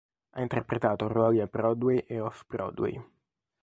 Ha interpretato ruoli a Broadway e off-Broadway.